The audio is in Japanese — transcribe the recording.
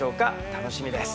楽しみです。